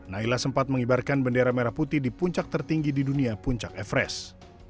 naila sempat mengibarkan bendera merah putih di puncak tertinggi di dunia puncak everest